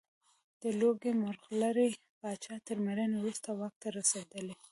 د لوګي مرغلرې پاچا تر مړینې وروسته واک ته رسېدلی.